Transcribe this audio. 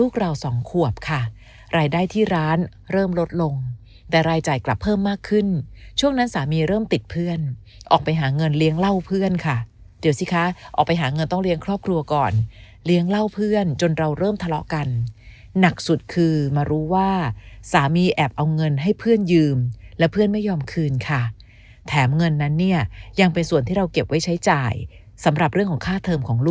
เราสองขวบค่ะรายได้ที่ร้านเริ่มลดลงแต่รายจ่ายกลับเพิ่มมากขึ้นช่วงนั้นสามีเริ่มติดเพื่อนออกไปหาเงินเลี้ยงเหล้าเพื่อนค่ะเดี๋ยวสิคะออกไปหาเงินต้องเลี้ยงครอบครัวก่อนเลี้ยงเหล้าเพื่อนจนเราเริ่มทะเลาะกันหนักสุดคือมารู้ว่าสามีแอบเอาเงินให้เพื่อนยืมและเพื่อนไม่ยอมคืนค่ะแถมเงินนั้นเนี่ยยังเป็นส่วนที่เราเก็บไว้ใช้จ่ายสำหรับเรื่องของค่าเทิมของลูก